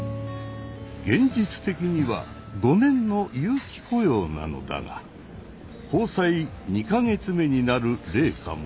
現実的には５年の有期雇用なのだが交際２か月目になる玲香も。